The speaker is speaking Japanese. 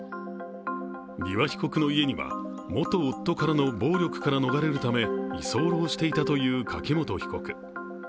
丹羽被告の家には、元夫からの暴力から逃れるため居候していたという柿本被告。